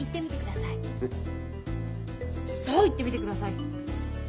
さあ言ってみてください。